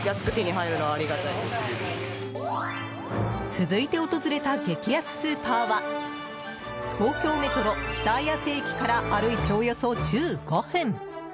続いて訪れた激安スーパーは東京メトロ北綾瀬駅から歩いておよそ１５分